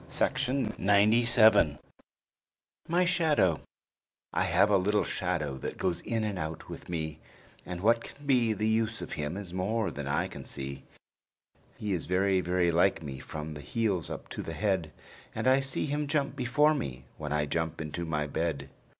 JEMIMA LUKE MY SHADOW I have a little shadow that goes in and out with me, And what can be the use of him is more than I can see, He is very, very like me from the heels up to the head; And I see him jump before me, when I jump into my bed.